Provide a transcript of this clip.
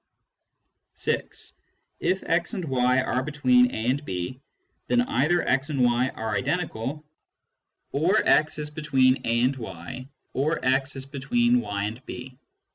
(6) If x and y are between a and b, then either * and y are identical, or x is between a and y, or x is between y and b.